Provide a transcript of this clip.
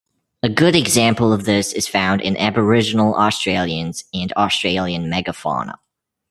A good example of this is found in Aboriginal Australians and Australian megafauna.